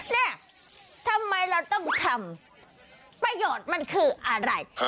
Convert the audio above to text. เนี่ยทำไมเราต้องทำประโยชน์มันคืออะไร